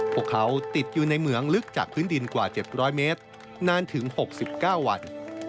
พวกเขาติดอยู่ในเหมืองลึกจากพื้นดินกว่า๗๐๐เมตรนานถึง๖๙วัน